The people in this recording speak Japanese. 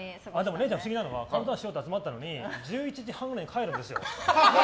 怜ちゃん不思議なのはカウントダウンしようって集まったのに１１時半ぐらいに帰るんですよ。